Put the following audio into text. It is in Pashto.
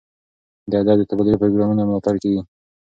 د ادب د تبادلې پروګرامونو ملاتړ کیږي.